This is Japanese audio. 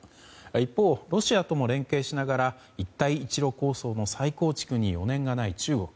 一方、ロシアとも連携しながら一帯一路構想の再構築に余念がない中国。